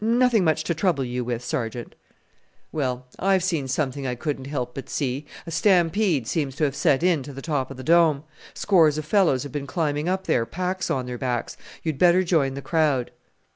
"Nothing much to trouble you with, Sergeant." "Well, I've seen something I couldn't help but see. A stampede seems to have set in to the top of the Dome. Scores of fellows have been climbing up there, packs on their backs. You had better join the crowd."